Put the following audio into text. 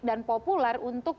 dan populer untuk